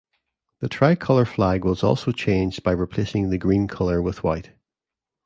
The tri-color flag was also changed by replacing the green color with white.